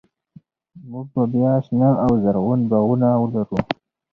موږ به بیا شنه او زرغون باغونه ولرو.